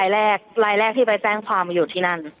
ไลน์แรกที่ไปแจ้งความอยู่ที่นั่น